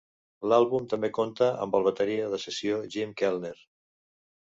L'àlbum també compta amb el bateria de sessió Jim Keltner.